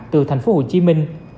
từ thành phố hồ chí minh